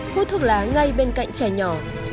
hút thuốc lá ngay bên cạnh trẻ nhỏ